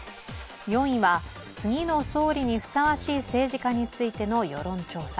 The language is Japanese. ４位は、次の総理にふさわしい政治家についての世論調査。